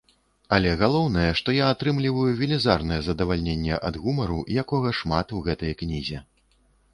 Але галоўнае, што я атрымліваю велізарнае задавальненне ад гумару, якога шмат у гэтай кнізе.